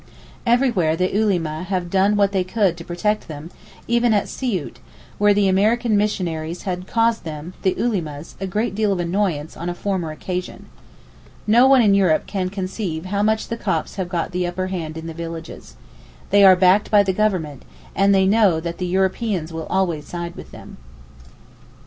Everywhere the Ulema have done what they could to protect them, even at Siout, where the American missionaries had caused them (the Ulemas) a good deal of annoyance on a former occasion. No one in Europe can conceive how much the Copts have the upper hand in the villages. They are backed by the Government, and they know that the Europeans will always side with them.